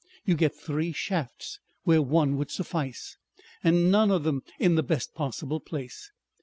You get three shafts where one would suffice and none of them in the best possible place.